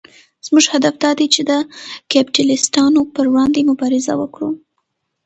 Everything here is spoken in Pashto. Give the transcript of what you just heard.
زموږ هدف دا دی چې د کپیټلېستانو پر وړاندې مبارزه وکړو.